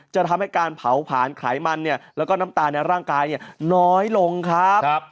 จะทำให้การเผาผลาญไขมันแล้วก็น้ำตาลในร่างกายน้อยลงครับ